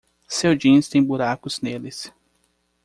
Seu jeans tem buracos neles.